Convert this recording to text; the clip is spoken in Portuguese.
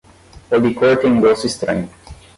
O licor tem um gosto estranho.